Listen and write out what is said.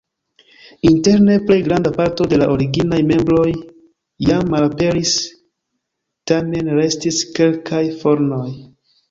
Interne plej granda parto de la originaj mebloj jam malaperis, tamen restis kelkaj fornoj.